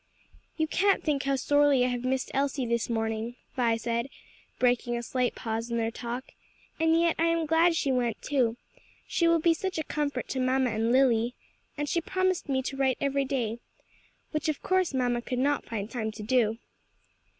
"You can't think how sorely I have missed Elsie this morning," Vi said, breaking a slight pause in their talk, "and yet I am glad she went too, she will be such a comfort to mamma and Lily; and she promised me to write every day; which of course mamma could not find time to do."